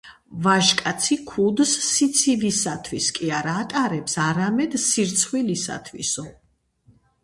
ვაჟკაცი ქუდს სიცივისათვის კი არ ატარებს, არამედ სირცხვილისათვისაო